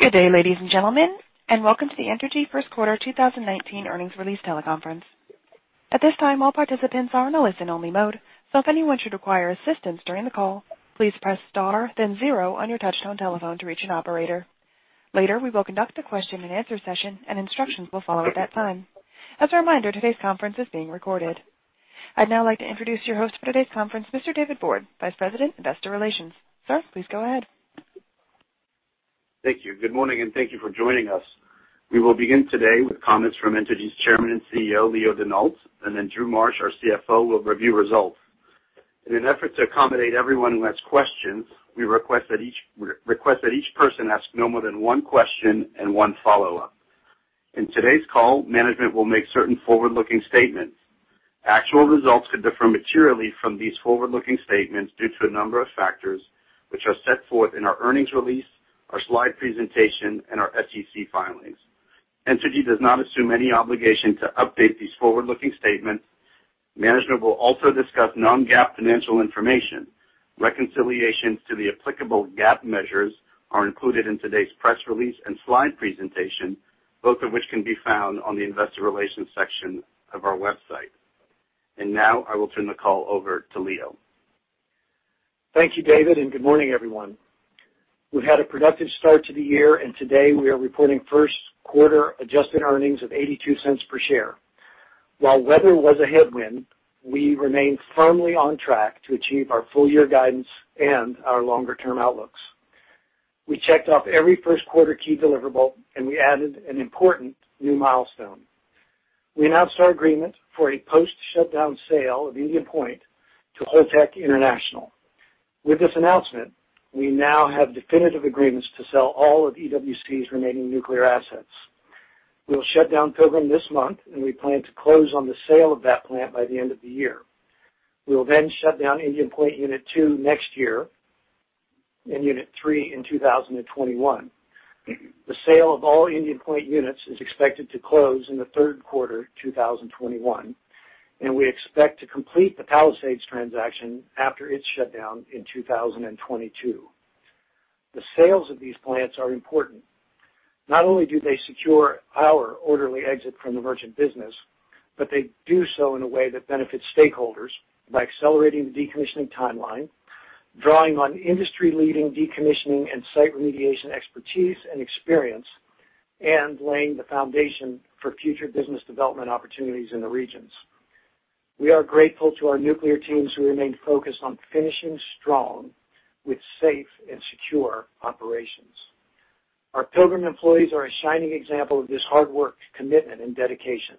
Good day, ladies and gentlemen, and welcome to the Entergy first quarter 2019 earnings release teleconference. At this time, all participants are in a listen-only mode, so if anyone should require assistance during the call, please press star then zero on your touch-tone telephone to reach an operator. Later, we will conduct a question-and-answer session, and instructions will follow at that time. As a reminder, today's conference is being recorded. I'd now like to introduce your host for today's conference, Mr. David Borde, Vice President, Investor Relations. Sir, please go ahead. Thank you. Good morning, and thank you for joining us. We will begin today with comments from Entergy's Chairman and CEO, Leo Denault, and then Drew Marsh, our CFO, will review results. In an effort to accommodate everyone who has questions, we request that each person ask no more than one question and one follow-up. In today's call, management will make certain forward-looking statements. Actual results could differ materially from these forward-looking statements due to a number of factors, which are set forth in our earnings release, our slide presentation, and our SEC filings. Entergy does not assume any obligation to update these forward-looking statements. Management will also discuss non-GAAP financial information. Reconciliations to the applicable GAAP measures are included in today's press release and slide presentation, both of which can be found on the investor relations section of our website. Now I will turn the call over to Leo. Thank you, David, and good morning, everyone. We've had a productive start to the year, and today we are reporting first quarter adjusted earnings of $0.82 per share. While weather was a headwind, we remain firmly on track to achieve our full-year guidance and our longer-term outlooks. We checked off every first quarter key deliverable, and we added an important new milestone. We announced our agreement for a post-shutdown sale of Indian Point to Holtec International. With this announcement, we now have definitive agreements to sell all of EWC's remaining nuclear assets. We will shut down Pilgrim this month, and we plan to close on the sale of that plant by the end of the year. We will then shut down Indian Point Unit 2 next year and Unit 3 in 2021. The sale of all Indian Point units is expected to close in the third quarter 2021, we expect to complete the Palisades transaction after its shutdown in 2022. The sales of these plants are important. Not only do they secure our orderly exit from the merchant business, they do so in a way that benefits stakeholders by accelerating the decommissioning timeline, drawing on industry-leading decommissioning and site remediation expertise and experience, and laying the foundation for future business development opportunities in the regions. We are grateful to our nuclear teams who remain focused on finishing strong with safe and secure operations. Our Pilgrim employees are a shining example of this hard-worked commitment and dedication.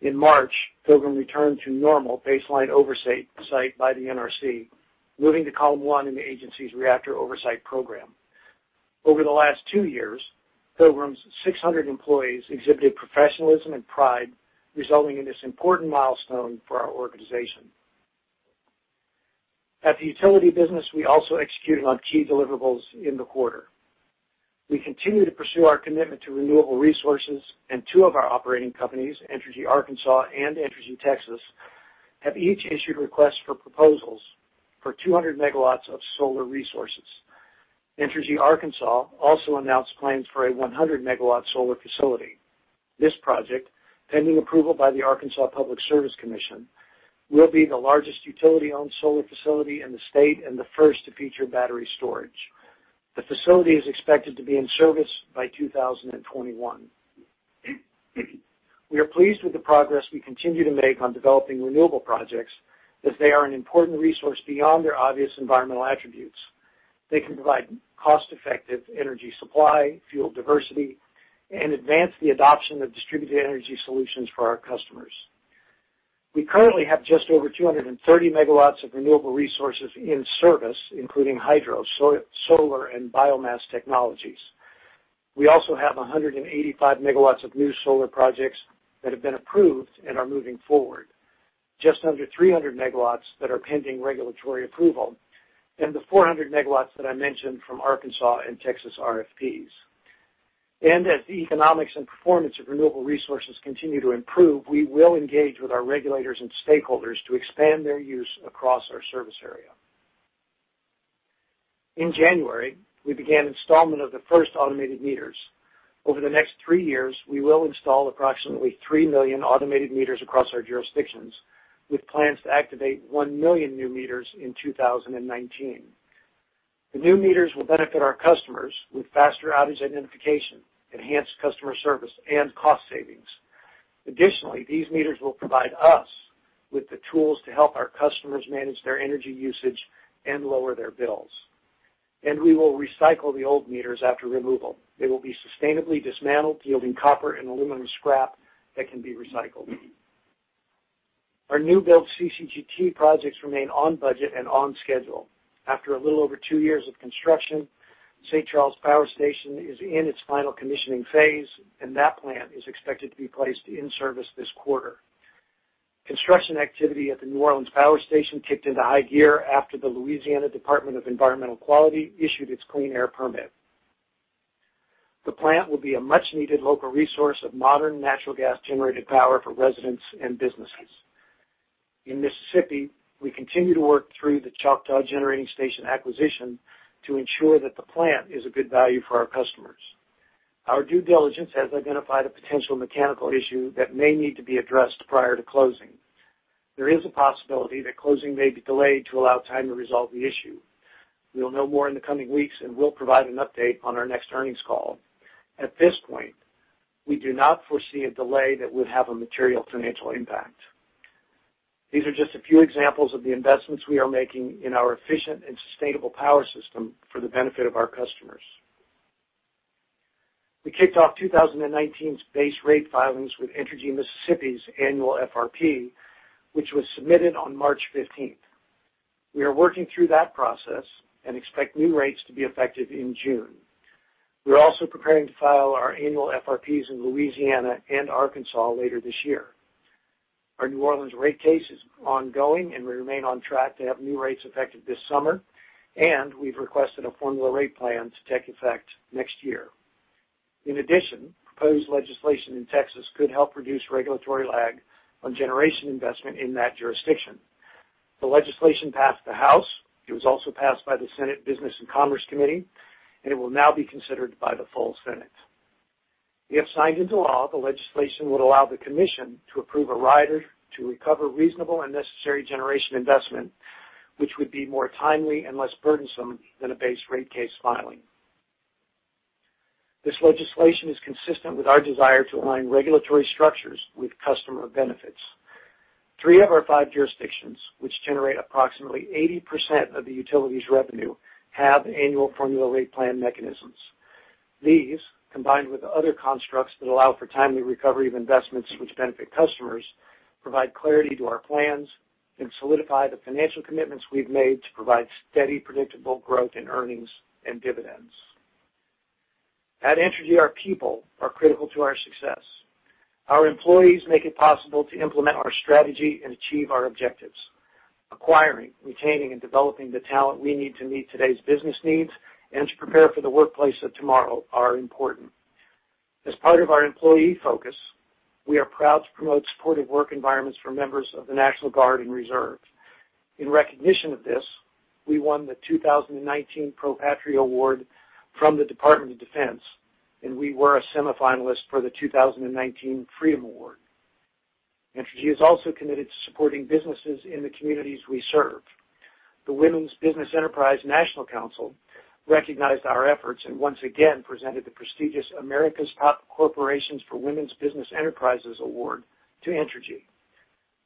In March, Pilgrim returned to normal baseline oversight by the NRC, moving to column 1 in the agency's reactor oversight program. Over the last two years, Pilgrim's 600 employees exhibited professionalism and pride, resulting in this important milestone for our organization. At the utility business, we also executed on key deliverables in the quarter. We continue to pursue our commitment to renewable resources, two of our operating companies, Entergy Arkansas and Entergy Texas, have each issued requests for proposals for 200 megawatts of solar resources. Entergy Arkansas also announced plans for a 100-megawatt solar facility. This project, pending approval by the Arkansas Public Service Commission, will be the largest utility-owned solar facility in the state and the first to feature battery storage. The facility is expected to be in service by 2021. We are pleased with the progress we continue to make on developing renewable projects, as they are an important resource beyond their obvious environmental attributes. They can provide cost-effective energy supply, fuel diversity, and advance the adoption of distributed energy solutions for our customers. We currently have just over 230 megawatts of renewable resources in service, including hydro, solar, and biomass technologies. We also have 185 megawatts of new solar projects that have been approved and are moving forward. Just under 300 megawatts that are pending regulatory approval, and the 400 megawatts that I mentioned from Arkansas and Texas RFPs. As the economics and performance of renewable resources continue to improve, we will engage with our regulators and stakeholders to expand their use across our service area. In January, we began installment of the first automated meters. Over the next three years, we will install approximately 3 million automated meters across our jurisdictions with plans to activate 1 million new meters in 2019. The new meters will benefit our customers with faster outage identification, enhanced customer service, and cost savings. Additionally, these meters will provide us with the tools to help our customers manage their energy usage and lower their bills. We will recycle the old meters after removal. They will be sustainably dismantled, yielding copper and aluminum scrap that can be recycled. Our new build CCGT projects remain on budget and on schedule. After a little over two years of construction, St. Charles Power Station is in its final commissioning phase, that plant is expected to be placed in service this quarter. Construction activity at the New Orleans Power Station kicked into high gear after the Louisiana Department of Environmental Quality issued its clean air permit. The plant will be a much-needed local resource of modern natural gas-generated power for residents and businesses. In Mississippi, we continue to work through the Choctaw Generating Station acquisition to ensure that the plant is a good value for our customers. Our due diligence has identified a potential mechanical issue that may need to be addressed prior to closing. There is a possibility that closing may be delayed to allow time to resolve the issue. We'll know more in the coming weeks, and we'll provide an update on our next earnings call. At this point, we do not foresee a delay that would have a material financial impact. These are just a few examples of the investments we are making in our efficient and sustainable power system for the benefit of our customers. We kicked off 2019's base rate filings with Entergy Mississippi's annual FRP, which was submitted on March 15th. We are working through that process and expect new rates to be effective in June. We're also preparing to file our annual FRPs in Louisiana and Arkansas later this year. Our New Orleans rate case is ongoing. We remain on track to have new rates effective this summer. We've requested a formula rate plan to take effect next year. In addition, proposed legislation in Texas could help reduce regulatory lag on generation investment in that jurisdiction. The legislation passed the House. It was also passed by the Senate Business and Commerce Committee. It will now be considered by the full Senate. If signed into law, the legislation would allow the commission to approve a rider to recover reasonable and necessary generation investment, which would be more timely and less burdensome than a base rate case filing. This legislation is consistent with our desire to align regulatory structures with customer benefits. Three of our five jurisdictions, which generate approximately 80% of the utility's revenue, have annual formula rate plan mechanisms. These, combined with other constructs that allow for timely recovery of investments which benefit customers, provide clarity to our plans and solidify the financial commitments we've made to provide steady, predictable growth in earnings and dividends. At Entergy, our people are critical to our success. Our employees make it possible to implement our strategy and achieve our objectives. Acquiring, retaining, and developing the talent we need to meet today's business needs and to prepare for the workplace of tomorrow are important. As part of our employee focus, we are proud to promote supportive work environments for members of the National Guard and Reserve. In recognition of this, we won the 2019 Pro Patria Award from the Department of Defense. We were a semifinalist for the 2019 Freedom Award. Entergy is also committed to supporting businesses in the communities we serve. The Women's Business Enterprise National Council recognized our efforts and once again presented the prestigious America's Top Corporations for Women's Business Enterprises award to Entergy.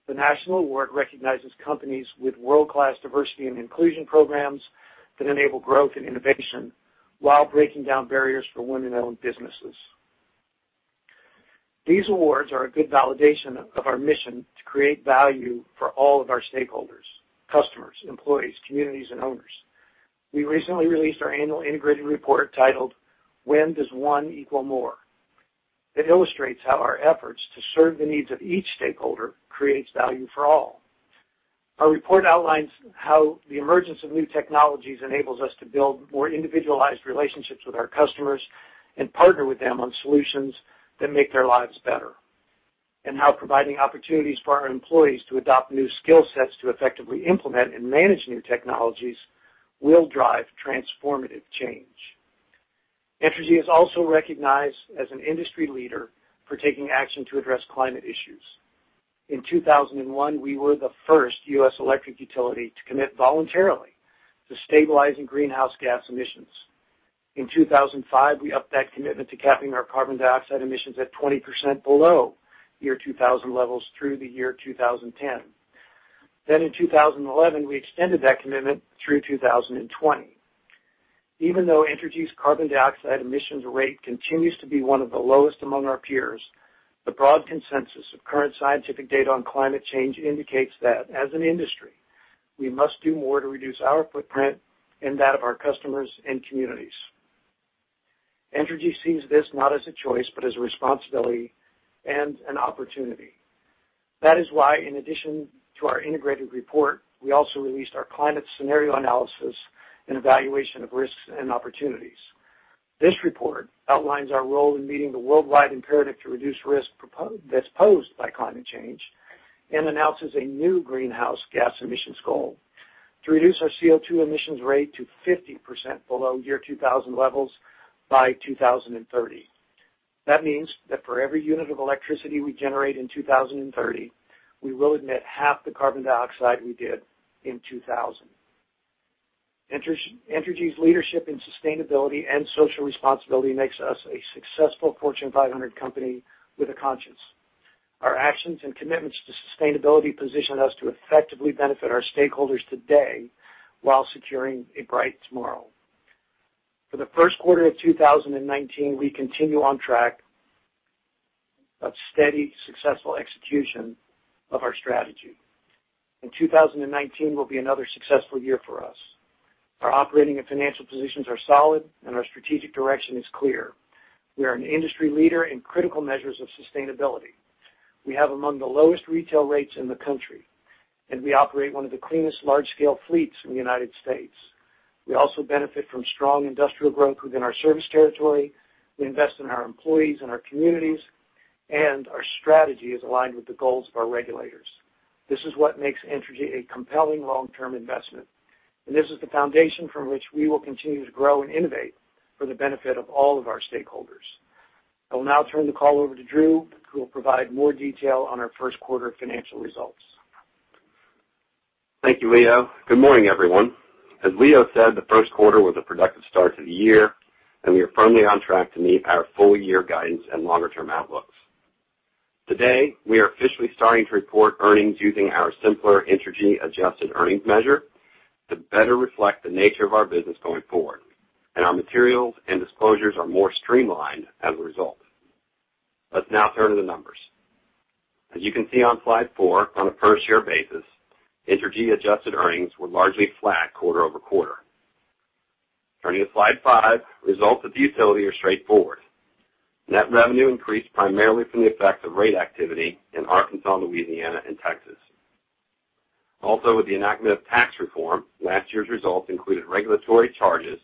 The national award recognizes companies with world-class diversity and inclusion programs that enable growth and innovation while breaking down barriers for women-owned businesses. These awards are a good validation of our mission to create value for all of our stakeholders, customers, employees, communities, and owners. We recently released our annual integrated report titled "When Does One Equal More?" It illustrates how our efforts to serve the needs of each stakeholder creates value for all. Our report outlines how the emergence of new technologies enables us to build more individualized relationships with our customers and partner with them on solutions that make their lives better, how providing opportunities for our employees to adopt new skill sets to effectively implement and manage new technologies will drive transformative change. Entergy is also recognized as an industry leader for taking action to address climate issues. In 2001, we were the first U.S. electric utility to commit voluntarily to stabilizing greenhouse gas emissions. In 2005, we upped that commitment to capping our carbon dioxide emissions at 20% below year 2000 levels through the year 2010. In 2011, we extended that commitment through 2020. Even though Entergy's carbon dioxide emissions rate continues to be one of the lowest among our peers, the broad consensus of current scientific data on climate change indicates that as an industry, we must do more to reduce our footprint and that of our customers and communities. Entergy sees this not as a choice, but as a responsibility and an opportunity. That is why, in addition to our integrated report, we also released our climate scenario analysis and evaluation of risks and opportunities. This report outlines our role in meeting the worldwide imperative to reduce risk that's posed by climate change and announces a new greenhouse gas emissions goal to reduce our CO2 emissions rate to 50% below year 2000 levels by 2030. That means that for every unit of electricity we generate in 2030, we will emit half the carbon dioxide we did in 2000. Entergy's leadership in sustainability and social responsibility makes us a successful Fortune 500 company with a conscience. Our actions and commitments to sustainability position us to effectively benefit our stakeholders today while securing a bright tomorrow. For the first quarter of 2019, we continue on track of steady, successful execution of our strategy. 2019 will be another successful year for us. Our operating and financial positions are solid, and our strategic direction is clear. We are an industry leader in critical measures of sustainability. We have among the lowest retail rates in the country, and we operate one of the cleanest large-scale fleets in the United States. We also benefit from strong industrial growth within our service territory. We invest in our employees and our communities, and our strategy is aligned with the goals of our regulators. This is what makes Entergy a compelling long-term investment. This is the foundation from which we will continue to grow and innovate for the benefit of all of our stakeholders. I will now turn the call over to Drew, who will provide more detail on our first quarter financial results. Thank you, Leo. Good morning, everyone. As Leo said, the first quarter was a productive start to the year. We are firmly on track to meet our full-year guidance and longer-term outlooks. Today, we are officially starting to report earnings using our simpler Entergy adjusted earnings measure to better reflect the nature of our business going forward. Our materials and disclosures are more streamlined as a result. Let's now turn to the numbers. As you can see on slide four, on a per-share basis, Entergy adjusted earnings were largely flat quarter-over-quarter. Turning to slide five, results of the utility are straightforward. Net revenue increased primarily from the effects of rate activity in Arkansas, Louisiana, and Texas. With the enactment of tax reform, last year's results included regulatory charges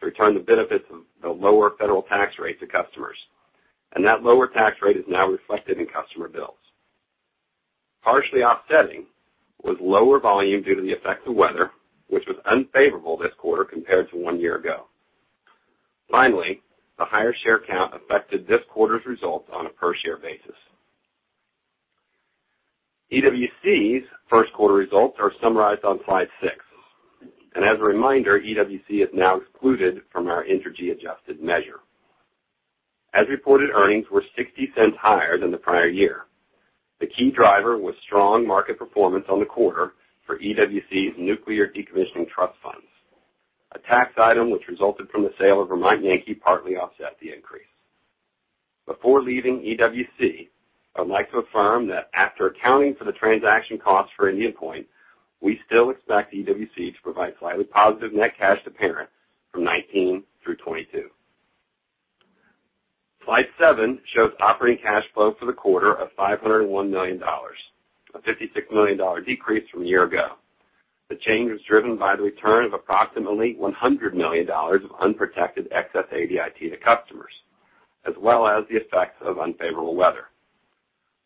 to return the benefits of the lower federal tax rate to customers. That lower tax rate is now reflected in customer bills. Partially offsetting was lower volume due to the effect of weather, which was unfavorable this quarter compared to one year ago. Finally, the higher share count affected this quarter's results on a per-share basis. EWC's first quarter results are summarized on slide six. As a reminder, EWC is now excluded from our Entergy adjusted measure. As reported, earnings were $0.60 higher than the prior year. The key driver was strong market performance on the quarter for EWC's nuclear decommissioning trust funds. A tax item which resulted from the sale of Vermont Yankee partly offset the increase. Before leaving EWC, I'd like to affirm that after accounting for the transaction costs for Indian Point, we still expect EWC to provide slightly positive net cash to parent from 2019 through 2022. Slide seven shows operating cash flow for the quarter of $501 million, a $56 million decrease from one year ago. The change was driven by the return of approximately $100 million of unprotected excess ADIT to customers, as well as the effects of unfavorable weather.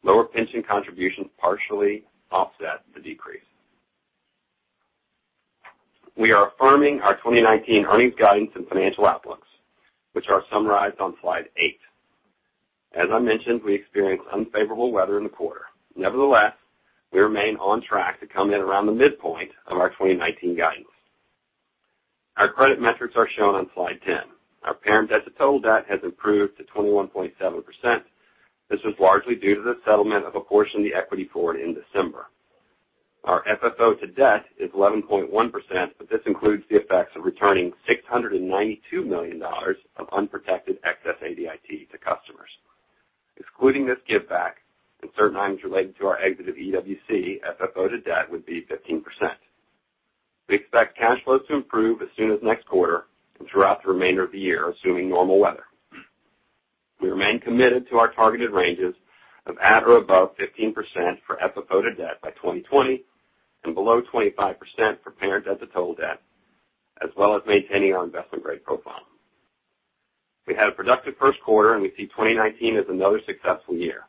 Lower pension contributions partially offset the decrease. We are affirming our 2019 earnings guidance and financial outlooks, which are summarized on slide eight. As I mentioned, we experienced unfavorable weather in the quarter. Nevertheless, we remain on track to come in around the midpoint of our 2019 guidance. Our credit metrics are shown on slide 10. Our parent debt to total debt has improved to 21.7%. This was largely due to the settlement of a portion of the equity forward in December. Our FFO to debt is 11.1%. This includes the effects of returning $692 million of unprotected excess ADIT to customers. Excluding this give back and certain items related to our exit of EWC, FFO to debt would be 15%. We expect cash flows to improve as soon as next quarter and throughout the remainder of the year, assuming normal weather. We remain committed to our targeted ranges of at or above 15% for FFO to debt by 2020 and below 25% for parent debt to total debt, as well as maintaining our investment-grade profile. We had a productive first quarter. We see 2019 as another successful year.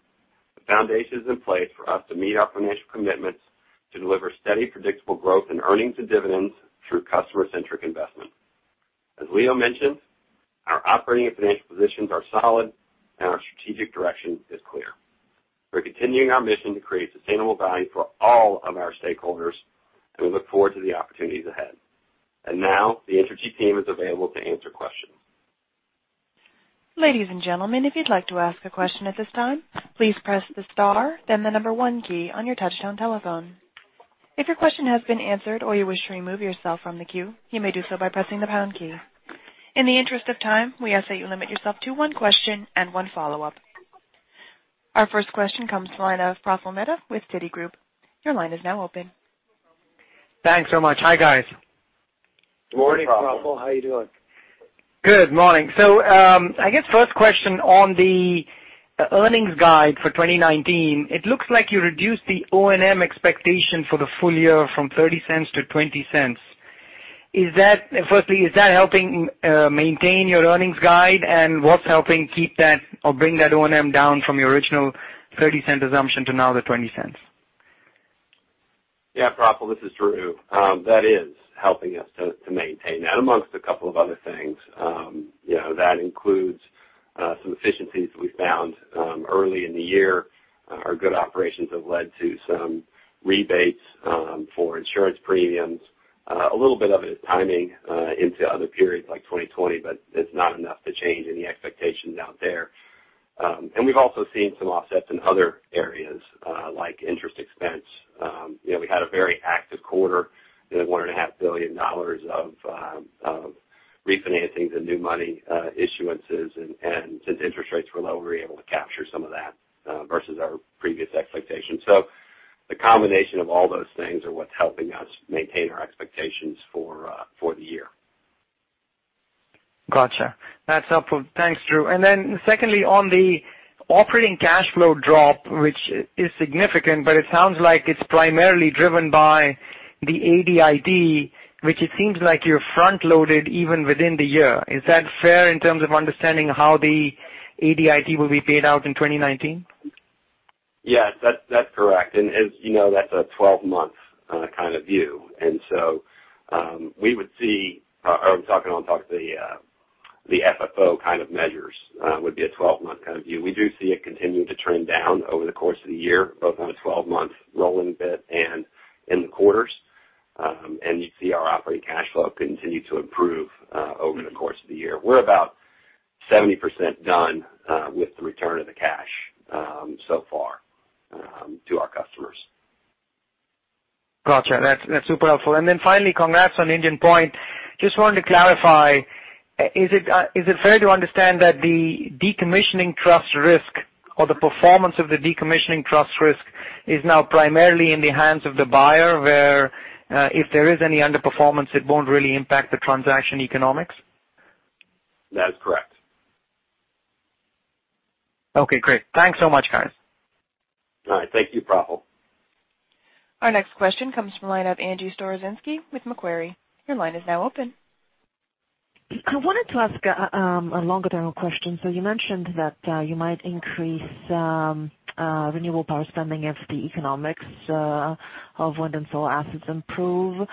The foundation is in place for us to meet our financial commitments to deliver steady, predictable growth in earnings and dividends through customer-centric investments. As Leo mentioned, our operating and financial positions are solid, and our strategic direction is clear. We're continuing our mission to create sustainable value for all of our stakeholders, and we look forward to the opportunities ahead. Now, the Entergy team is available to answer questions. Ladies and gentlemen, if you'd like to ask a question at this time, please press the star, then the number 1 key on your touchtone telephone. If your question has been answered or you wish to remove yourself from the queue, you may do so by pressing the pound key. In the interest of time, we ask that you limit yourself to one question and one follow-up. Our first question comes to the line of Praful Mehta with Citigroup. Your line is now open. Thanks so much. Hi, guys. Good morning, Praful. How you doing? Good morning. I guess first question on the earnings guide for 2019. It looks like you reduced the O&M expectation for the full year from $0.30 to $0.20. Firstly, is that helping maintain your earnings guide, and what's helping keep that or bring that O&M down from your original $0.30 assumption to now the $0.20? Yeah, Praful, this is Drew. That is helping us to maintain that amongst a couple of other things. That includes some efficiencies we found early in the year. Our good operations have led to some rebates for insurance premiums. A little bit of it is timing into other periods like 2020, but it's not enough to change any expectations out there. We've also seen some offsets in other areas, like interest expense. We had a very active quarter with $1.5 billion of refinancing to new money issuances, and since interest rates were low, we were able to capture some of that versus our previous expectations. The combination of all those things are what's helping us maintain our expectations for the year. Gotcha. That's helpful. Thanks, Drew. Secondly, on the operating cash flow drop, which is significant, but it sounds like it's primarily driven by the ADIT, which it seems like you're front-loaded even within the year. Is that fair in terms of understanding how the ADIT will be paid out in 2019? Yes, that's correct. As you know, that's a 12-month kind of view. I'm talking on the FFO kind of measures would be a 12-month kind of view. We do see it continuing to trend down over the course of the year, both on a 12-month rolling bit and in the quarters. You see our operating cash flow continue to improve over the course of the year. We're about 70% done with the return of the cash so far to our customers. Got you. That's super helpful. Finally, congrats on Indian Point. Just wanted to clarify, is it fair to understand that the decommissioning trust risk or the performance of the decommissioning trust risk is now primarily in the hands of the buyer, where if there is any underperformance, it won't really impact the transaction economics? That is correct. Okay, great. Thanks so much, guys. All right. Thank you, Praful. Our next question comes from line of Angie Storozynski with Macquarie. Your line is now open. I wanted to ask a longer-term question. You mentioned that you might increase renewable power spending if the economics of wind and solar assets improve.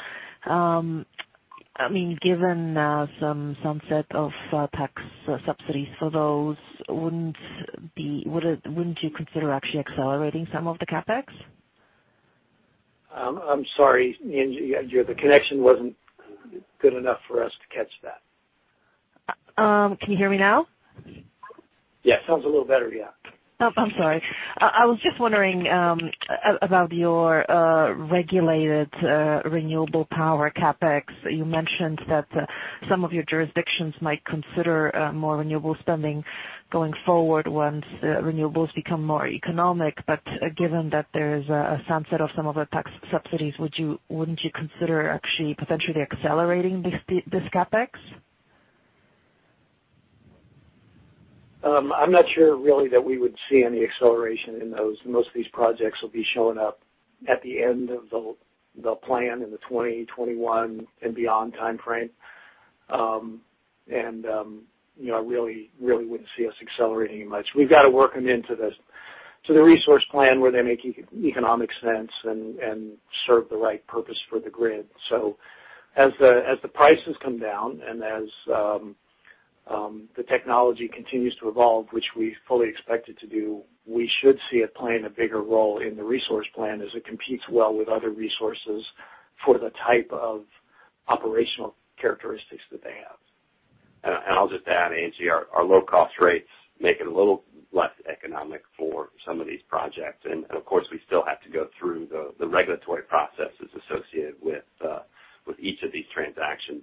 Given some sunset of tax subsidies for those, wouldn't you consider actually accelerating some of the CapEx? I'm sorry, Angie. The connection wasn't good enough for us to catch that. Can you hear me now? Yeah, it sounds a little better. Yeah. Oh, I'm sorry. I was just wondering about your regulated renewable power CapEx. You mentioned that some of your jurisdictions might consider more renewable spending going forward once renewables become more economic. Given that there is a sunset of some of the tax subsidies, wouldn't you consider actually potentially accelerating this CapEx? I'm not sure really that we would see any acceleration in those. Most of these projects will be showing up at the end of the plan in the 2020, 2021 and beyond timeframe. I really wouldn't see us accelerating much. We've got to work them into the resource plan where they make economic sense and serve the right purpose for the grid. As the prices come down and as the technology continues to evolve, which we fully expect it to do, we should see it playing a bigger role in the resource plan as it competes well with other resources for the type of operational characteristics that they have. I'll just add, Angie, our low-cost rates make it a little less economic for some of these projects. Of course, we still have to go through the regulatory processes associated with each of these transactions.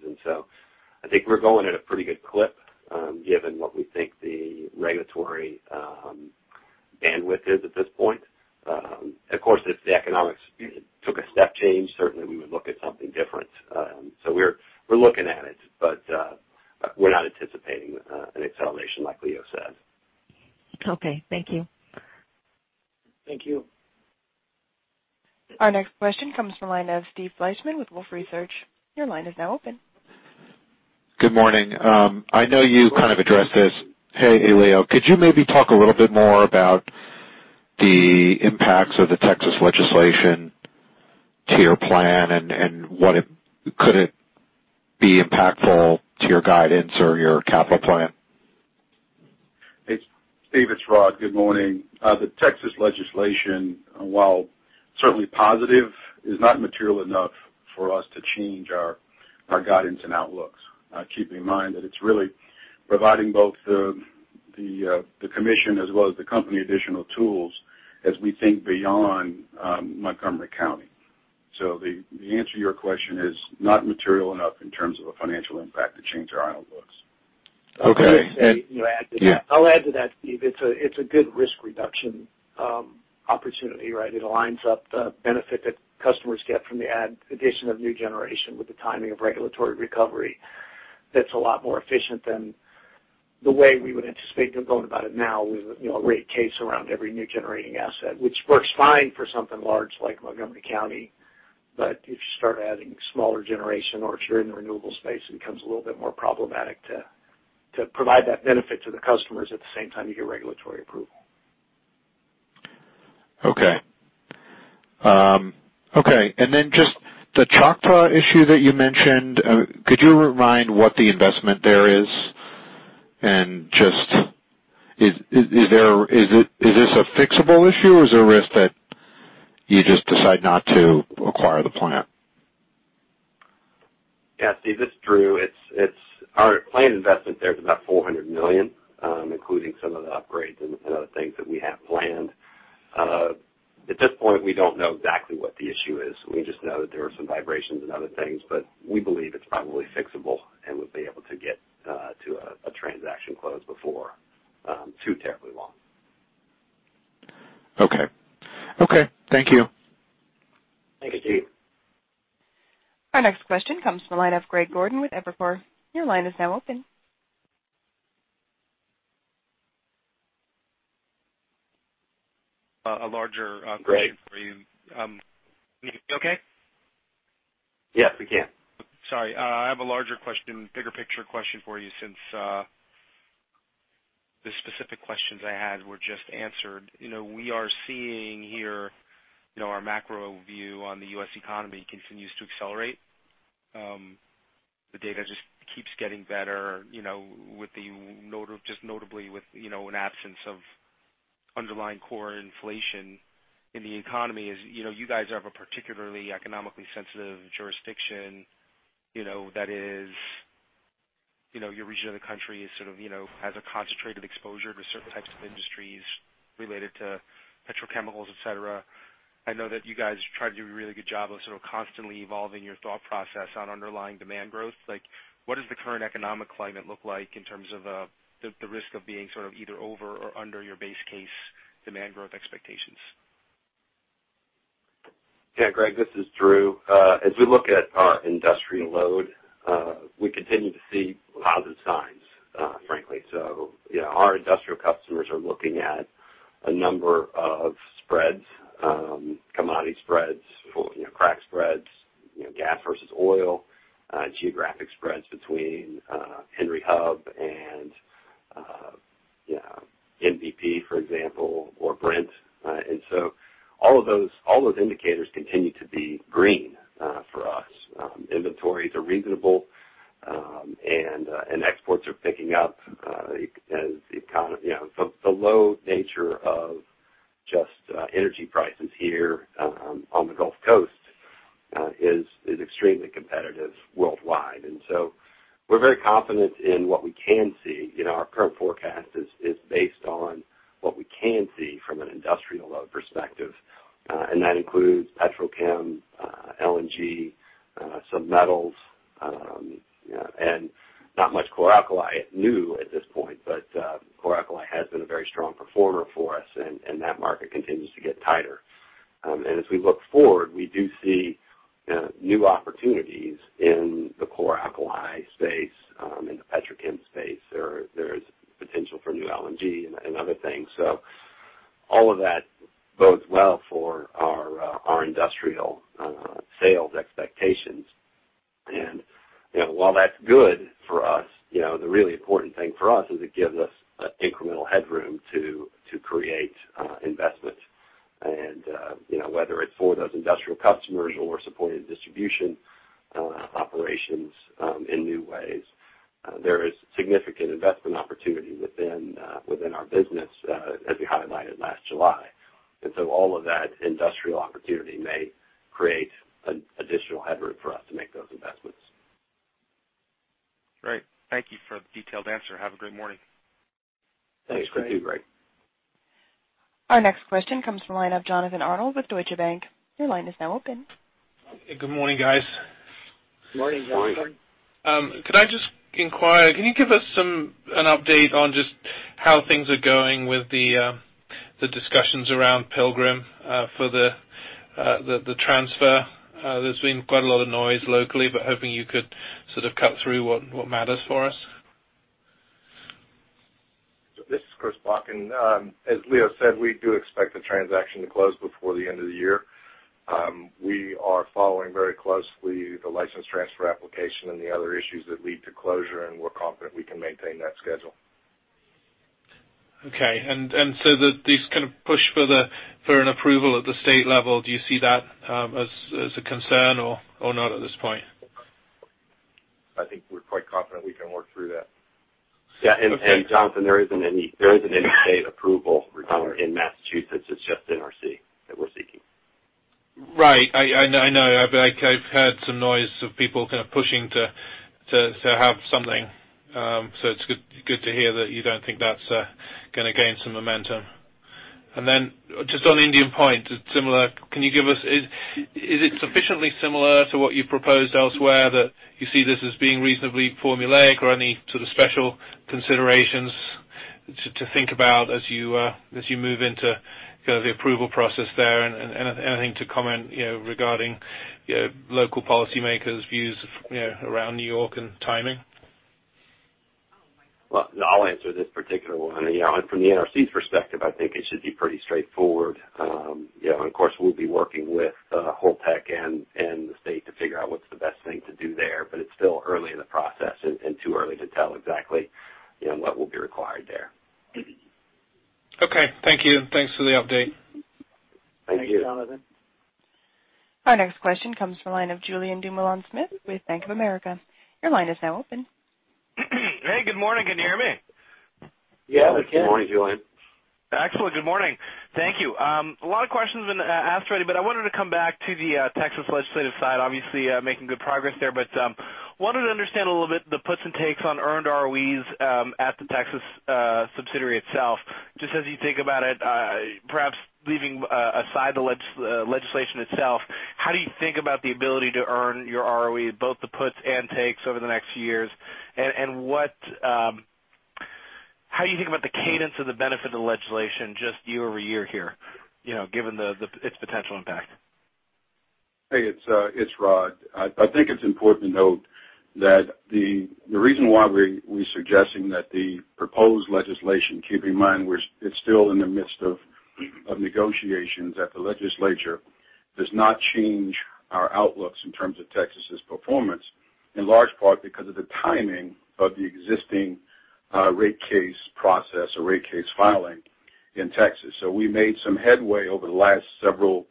I think we're going at a pretty good clip, given what we think the regulatory bandwidth is at this point. Of course, if the economics took a step change, certainly we would look at something different. We're looking at it, but we're not anticipating an acceleration like Leo said. Okay. Thank you. Thank you. Our next question comes from line of Steve Fleishman with Wolfe Research. Your line is now open. Good morning. I know you kind of addressed this. Hey, Leo, could you maybe talk a little bit more about the impacts of the Texas legislation to your plan and could it be impactful to your guidance or your capital plan? It's David Schorle. Good morning. The Texas legislation, while certainly positive, is not material enough for us to change our guidance and outlooks. Keeping in mind that it's really providing both the commission as well as the company additional tools as we think beyond Montgomery County. The answer to your question is not material enough in terms of a financial impact to change our outlooks. Okay. Yeah. I'll add to that, Steve. It's a good risk reduction opportunity, right? It aligns up the benefit that customers get from the addition of new generation with the timing of regulatory recovery. That's a lot more efficient than the way we would anticipate going about it now with a rate case around every new generating asset, which works fine for something large like Montgomery County. If you start adding smaller generation or if you're in the renewable space, it becomes a little bit more problematic to provide that benefit to the customers at the same time you get regulatory approval. Okay. Then just the Choctaw issue that you mentioned, could you remind what the investment there is? Is this a fixable issue, or is it a risk that you just decide not to acquire the plant? Yeah. Steve, it's Drew. Our planned investment there is about $400 million, including some of the upgrades and other things that we have planned. At this point, we don't know exactly what the issue is. We just know that there are some vibrations and other things. We believe it's probably fixable and we'll be able to get to a transaction close before too terribly long. Okay. Thank you. Thank you, Steve. Our next question comes from the line of Greg Gordon with Evercore. Your line is now open. A larger- Greg? Can you hear me okay? Yes, we can. Sorry. I have a larger question, bigger picture question for you since the specific questions I had were just answered. We are seeing here our macro view on the U.S. economy continues to accelerate. The data just keeps getting better, just notably with an absence of underlying core inflation in the economy. As you guys have a particularly economically sensitive jurisdiction, your region of the country has a concentrated exposure to certain types of industries related to petrochemicals, et cetera. I know that you guys try to do a really good job of sort of constantly evolving your thought process on underlying demand growth. What does the current economic climate look like in terms of the risk of being sort of either over or under your base case demand growth expectations? Yeah. Greg, this is Drew. Yeah, our industrial customers are looking at a number of spreads, commodity spreads, crack spreads, gas versus oil, geographic spreads between Henry Hub and MVP, for example, or Brent. All those indicators continue to be green for us. Inventories are reasonable, and exports are picking up as the economy The low nature of just energy prices here on the Gulf Coast is extremely competitive worldwide. We're very confident in what we can see. Our current forecast is based on what we can see from an industrial load perspective. That includes petrochemical, LNG, some metals, and not much chlor-alkali new at this point, but chlor-alkali has been a very strong performer for us, and that market continues to get tighter. As we look forward, we do see new opportunities in the chlor-alkali space, in the petrochemical space. There is potential for new LNG and other things. All of that bodes well for our industrial sales expectations. While that's good for us, the really important thing for us is it gives us incremental headroom to create investment. Whether it's for those industrial customers or supporting distribution operations in new ways, there is significant investment opportunity within our business as we highlighted last July. All of that industrial opportunity may create an additional headroom for us to make those investments. Great. Thank you for the detailed answer. Have a great morning. Thanks, Greg. Our next question comes from the line of Jonathan Arnold with Deutsche Bank. Your line is now open. Good morning, guys. Morning, Jonathan. Could I just inquire, can you give us an update on just how things are going with the discussions around Pilgrim for the transfer? There's been quite a lot of noise locally, but hoping you could sort of cut through what matters for us. This is Chris Bakken. As Leo said, we do expect the transaction to close before the end of the year. We are following very closely the license transfer application and the other issues that lead to closure, and we're confident we can maintain that schedule. Okay. These kind of push for an approval at the state level, do you see that as a concern or not at this point? I think we're quite confident we can work through that. Yeah. Jonathan, there isn't any state approval required in Massachusetts. It's just NRC that we're seeking. Right. I know. I've heard some noise of people kind of pushing to have something. It's good to hear that you don't think that's going to gain some momentum. Just on Indian Point, can you give us, is it sufficiently similar to what you've proposed elsewhere that you see this as being reasonably formulaic or any sort of special considerations to think about as you move into kind of the approval process there? Anything to comment regarding local policymakers' views around New York and timing? Well, I'll answer this particular one. From the NRC's perspective, I think it should be pretty straightforward. Of course, we'll be working with Holtec and the state to figure out what's the best thing to do there, but it's still early in the process and too early to tell exactly what will be required there. Okay. Thank you. Thanks for the update. Thank you. Our next question comes from the line of Julien Dumoulin-Smith with Bank of America. Your line is now open. Hey, good morning. Can you hear me? Yeah, we can. Good morning, Julien. Excellent. Good morning. Thank you. A lot of questions have been asked already, I wanted to come back to the Texas legislative side, obviously making good progress there, wanted to understand a little bit the puts and takes on earned ROEs at the Texas subsidiary itself. Just as you think about it, perhaps leaving aside the legislation itself, how do you think about the ability to earn your ROE, both the puts and takes over the next years? How do you think about the cadence of the benefit of the legislation just year-over-year here, given its potential impact? Hey, it's Rod. I think it's important to note that the reason why we're suggesting that the proposed legislation, keep in mind, it's still in the midst of negotiations at the legislature, does not change our outlooks in terms of Texas's performance, in large part because of the timing of the existing rate case process or rate case filing in Texas. We made some headway over the last several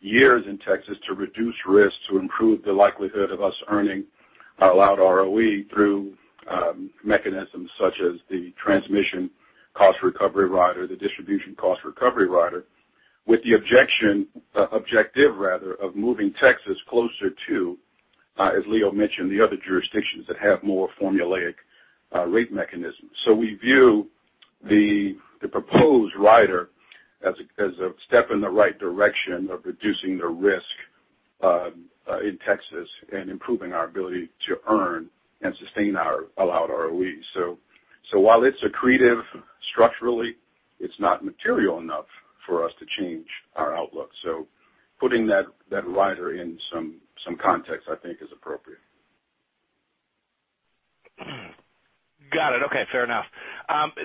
years in Texas to reduce risks, to improve the likelihood of us earning our allowed ROE through mechanisms such as the transmission cost recovery rider, the distribution cost recovery rider, with the objective of moving Texas closer to, as Leo mentioned, the other jurisdictions that have more formulaic rate mechanisms. We view the proposed rider as a step in the right direction of reducing the risk in Texas and improving our ability to earn and sustain our allowed ROE. While it's accretive structurally, it's not material enough for us to change our outlook. Putting that rider in some context, I think is appropriate. Got it. Okay, fair enough.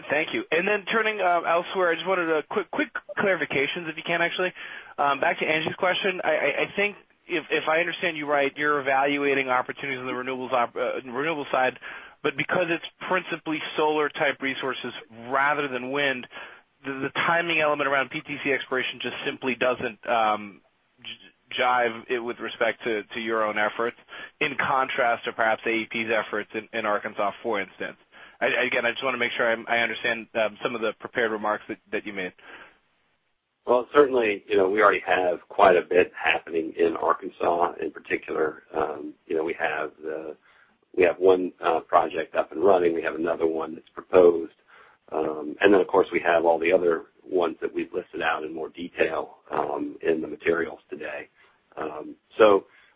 Thank you. Turning elsewhere, I just wanted a quick clarification if you can, actually. Back to Angie's question, I think if I understand you right, you're evaluating opportunities on the renewables side, but because it's principally solar type resources rather than wind, the timing element around PTC expiration just simply doesn't jive with respect to your own efforts, in contrast to perhaps AEP's efforts in Arkansas, for instance. Again, I just want to make sure I understand some of the prepared remarks that you made. Certainly, we already have quite a bit happening in Arkansas in particular. We have one project up and running. We have another one that's proposed. Of course, we have all the other ones that we've listed out in more detail in the materials today.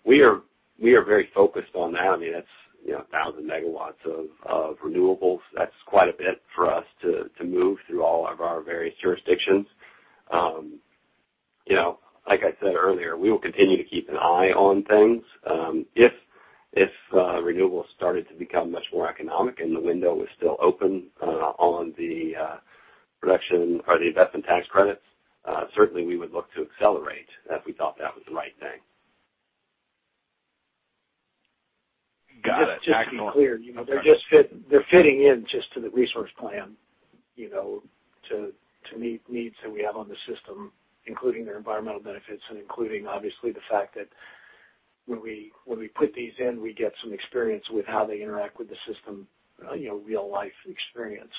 We are very focused on that. That's 1,000 megawatts of renewables. That's quite a bit for us to move through all of our various jurisdictions. Like I said earlier, we will continue to keep an eye on things. If renewables started to become much more economic and the window was still open on the production or the investment tax credits, certainly we would look to accelerate if we thought that was the right thing. Got it. Just to be clear, they're fitting in just to the resource plan, to meet needs that we have on the system, including their environmental benefits and including, obviously, the fact that when we put these in, we get some experience with how they interact with the system, real-life experience.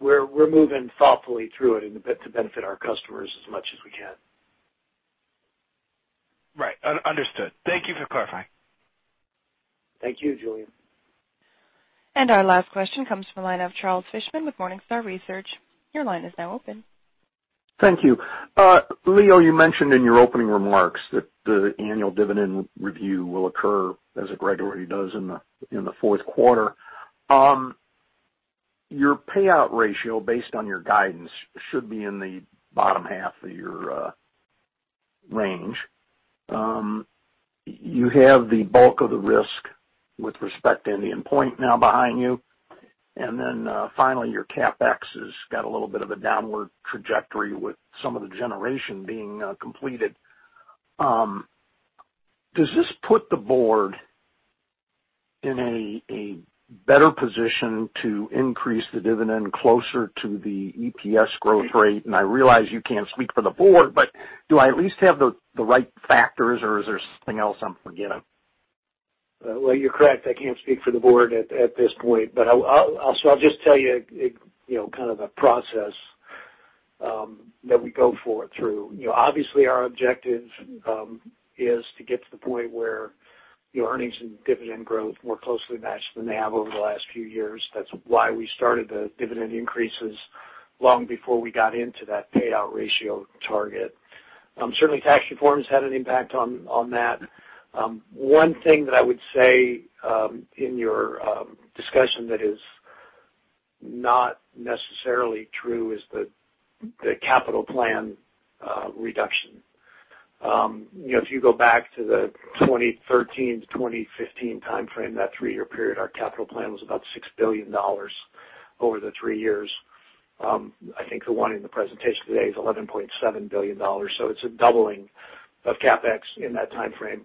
We're moving thoughtfully through it to benefit our customers as much as we can. Right. Understood. Thank you for clarifying. Thank you, Julien. Our last question comes from the line of Charles Fishman with Morningstar Research. Your line is now open. Thank you. Leo, you mentioned in your opening remarks that the annual dividend review will occur as it regularly does in the fourth quarter. Your payout ratio based on your guidance should be in the bottom half of your range. You have the bulk of the risk with respect to Indian Point now behind you. Then finally, your CapEx has got a little bit of a downward trajectory with some of the generation being completed. Does this put the board in a better position to increase the dividend closer to the EPS growth rate? I realize you can't speak for the board, but do I at least have the right factors or is there something else I'm forgetting? You're correct. I can't speak for the board at this point. I'll just tell you kind of a process that we go through. Obviously, our objective is to get to the point where earnings and dividend growth more closely match than they have over the last few years. That's why we started the dividend increases long before we got into that payout ratio target. Certainly, tax reform has had an impact on that. One thing that I would say in your discussion that is not necessarily true is the capital plan reduction. If you go back to the 2013-2015 timeframe, that three-year period, our capital plan was about $6 billion over the three years. I think the one in the presentation today is $11.7 billion. It's a doubling of CapEx in that timeframe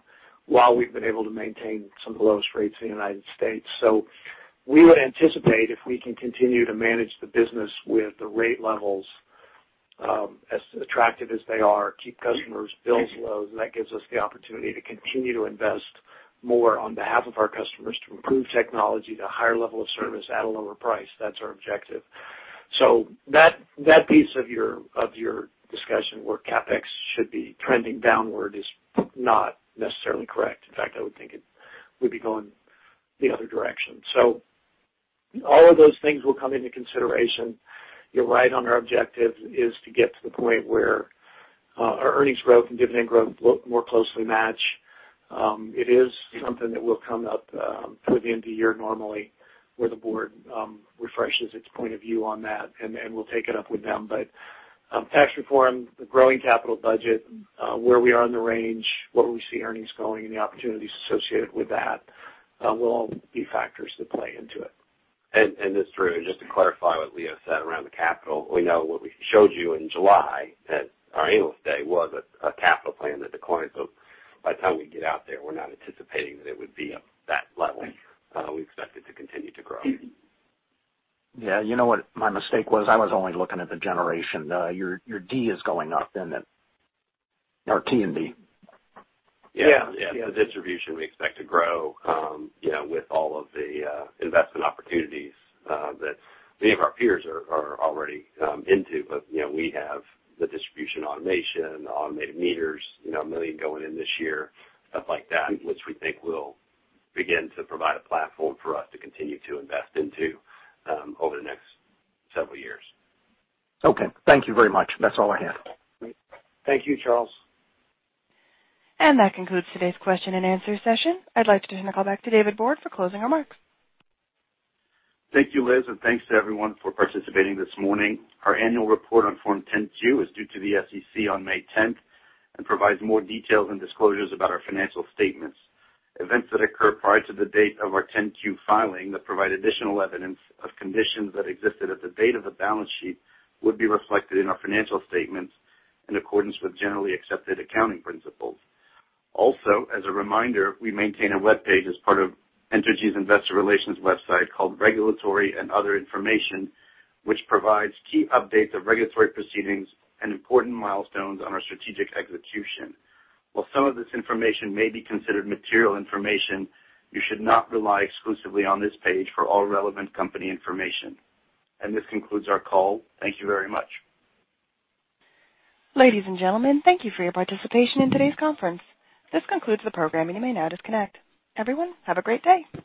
while we've been able to maintain some of the lowest rates in the United States. We would anticipate if we can continue to manage the business with the rate levels as attractive as they are, keep customers' bills low, that gives us the opportunity to continue to invest more on behalf of our customers to improve technology at a higher level of service at a lower price. That's our objective. That piece of your discussion where CapEx should be trending downward is not necessarily correct. In fact, I would think it would be going the other direction. All of those things will come into consideration. You're right on our objective is to get to the point where Our earnings growth and dividend growth more closely match. It is something that will come up towards the end of the year, normally, where the board refreshes its point of view on that, and we'll take it up with them. Tax reform, the growing capital budget, where we are in the range, where we see earnings going, and the opportunities associated with that will all be factors that play into it. This is Drew. Just to clarify what Leo said around the capital, we know what we showed you in July at our Annual Day was a capital plan that declines. By the time we get out there, we're not anticipating that it would be at that level. We expect it to continue to grow. Yeah. You know what my mistake was? I was only looking at the generation. Your D is going up in it. Our T and D. Yeah. The distribution we expect to grow with all of the investment opportunities that many of our peers are already into. We have the distribution automation, the automated meters, 1 million going in this year, stuff like that, which we think will begin to provide a platform for us to continue to invest into over the next several years. Okay. Thank you very much. That's all I have. Great. Thank you, Charles. That concludes today's question and answer session. I'd like to turn the call back to David Borde for closing remarks. Thank you, Liz, and thanks to everyone for participating this morning. Our annual report on Form 10-Q is due to the SEC on May 10th and provides more details and disclosures about our financial statements. Events that occur prior to the date of our 10-Q filing that provide additional evidence of conditions that existed at the date of the balance sheet would be reflected in our financial statements in accordance with generally accepted accounting principles. Also, as a reminder, we maintain a webpage as part of Entergy's investor relations website called Regulatory and Other Information, which provides key updates of regulatory proceedings and important milestones on our strategic execution. While some of this information may be considered material information, you should not rely exclusively on this page for all relevant company information. This concludes our call. Thank you very much. Ladies and gentlemen, thank you for your participation in today's conference. This concludes the program, and you may now disconnect. Everyone, have a great day.